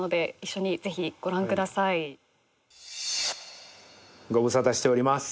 ご無沙汰しております。